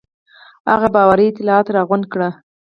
هغه باوري اطلاعات راغونډ کړي.